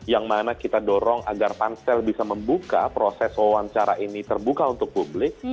yang mana kita dorong agar pansel bisa membuka proses wawancara ini terbuka untuk publik